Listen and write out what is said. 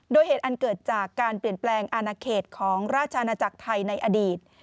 โดยเหตุอันเกิดจากการเปลี่ยนแปลงอาณาเขตของราชอาณาจักรไทยในอดีต